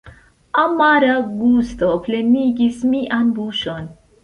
Amara gusto plenigis mian buŝon.